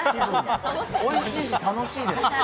おいしいし、楽しいです。